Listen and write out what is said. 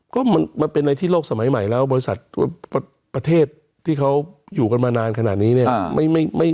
ก็มันเป็นในที่โลกสมัยใหม่แล้วบริษัทประเทศที่เขาอยู่กันมานานขนาดนี้เนี่ย